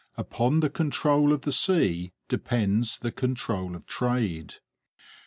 Upon the control of the sea depends the control of trade.